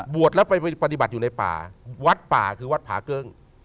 บวชแล้วไปปฏิบัติอยู่ในป่าวัดป่าคือวัดผาเกิ้ง